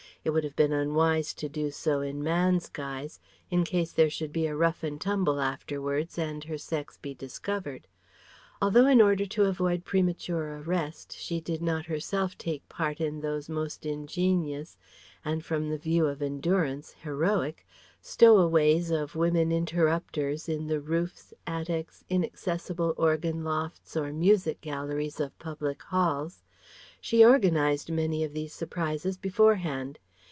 It would have been unwise to do so in man's guise, in case there should be a rough and tumble afterwards and her sex be discovered. Although in order to avoid premature arrest she did not herself take part in those most ingenious and from the view of endurance, heroic stow aways of women interrupters in the roofs, attics, inaccessible organ lofts or music galleries of public halls, she organized many of these surprises beforehand.